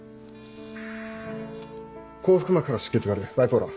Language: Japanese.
後腹膜から出血があるバイポーラ。